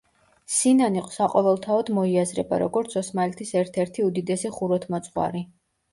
სინანი საყოველთაოდ მოიაზრება, როგორც ოსმალეთის ერთ-ერთი უდიდესი ხუროთმოძღვარი.